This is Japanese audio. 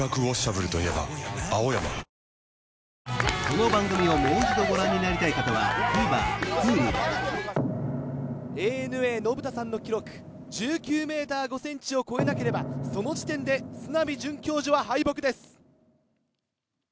この番組をもう一度ご覧になりたい方はＡＮＡ信田さんの記録１９ｍ５ｃｍを超えなければその時点で砂見准教授は敗北です。